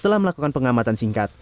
setelah melakukan pengamatan singkat